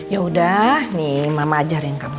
yaudah nih mama ajarin kamu